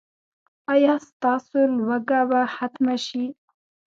ایا ستاسو لوږه به ختمه شي؟